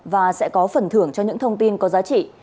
và sẽ có phần thưởng cho những thông tin có giá trị